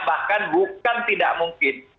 bahkan bukan tidak mungkin